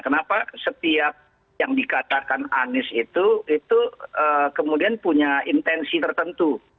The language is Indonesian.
kenapa setiap yang dikatakan anies itu itu kemudian punya intensi tertentu